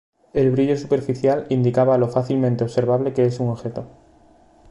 El brillo superficial indica lo fácilmente observable que es un objeto.